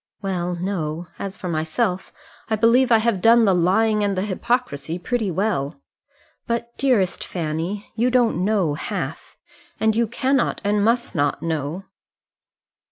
"Well, no; as for myself, I believe I have done the lying and the hypocrisy pretty well. But, dearest Fanny, you don't know half; and you cannot and must not know."